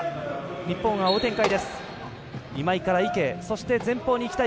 日本は追う展開。